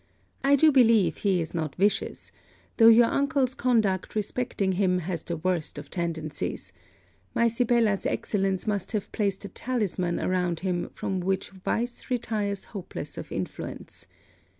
I do believe he is not vicious, though your uncle's conduct respecting him has the worst of tendencies: my Sibella's excellence must have placed a talisman around him from which vice retires hopeless of influence.